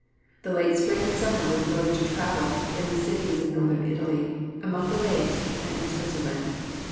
The late spring and summer were devoted to travel in the cities of Northern Italy, among the lakes, and in Switzerland.